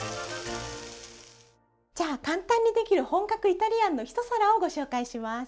じゃあ簡単にできる本格イタリアンの一皿をご紹介します。